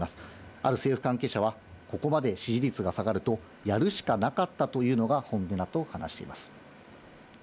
ある政府関係者は、ここまで支持率が下がると、やるしかなかったというのが本音だと話しています。